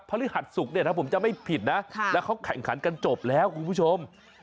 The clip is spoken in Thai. พฤหัสศุกร์จะไม่ผิดนะแล้วเขาแข่งขันกันจบแล้วคุณผู้ชม